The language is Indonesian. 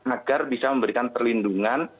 agar bisa memberikan perlindungan